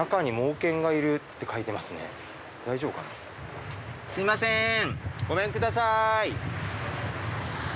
すみません。